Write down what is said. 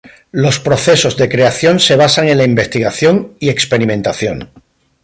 Los procesos de creación se basaban en la investigación y experimentación.